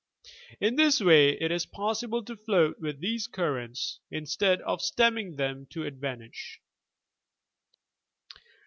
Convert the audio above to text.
In this way it is possible to float with these "Currents" instead of stemming them to advantage.